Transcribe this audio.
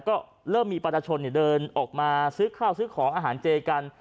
ก็เริ่มมีประชาชนเดินออกมาซื้อข้าวซื้อของอาหารเจกัน